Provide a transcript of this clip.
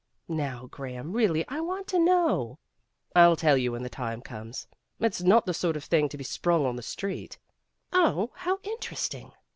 "Now, Graham, really I want to know." "I'll tell you when the time comes. It's not the sort of thing to be sprung on the street." "Oh, how interesting!"